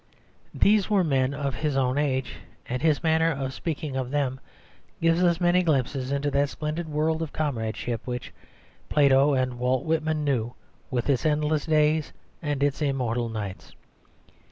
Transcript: These were men of his own age, and his manner of speaking of them gives us many glimpses into that splendid world of comradeship which. Plato and Walt Whitman knew, with its endless days and its immortal nights.